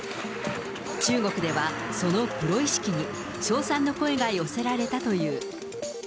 中国では、そのプロ意識に、称賛の声が寄せられたという。